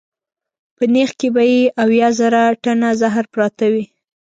په نېښ کې به یې اویا زره ټنه زهر پراته وي.